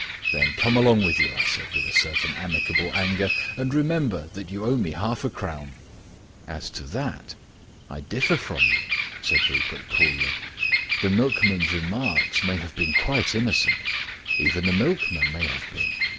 "Then come along with you," I said, with a certain amicable anger, "and remember that you owe me half a crown." "As to that, I differ from you," said Rupert coolly. "The milkman's remarks may have been quite innocent. Even the milkman may have been.